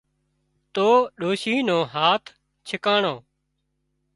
تو ڏوشِي نو هاٿ ڇڪاڻو